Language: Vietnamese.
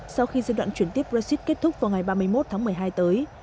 sau khi giai đoạn chuyển tiếp brexit kết thúc vào ngày ba mươi một tháng một mươi hai tới